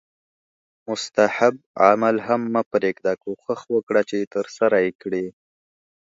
مستحب عمل هم مه پریږده کوښښ وکړه چې ترسره یې کړې